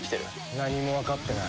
何もわかってない。